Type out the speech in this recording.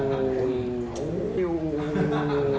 ฮ่าฮ่าฮ่า